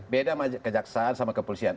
beda kejaksaan sama kepolisian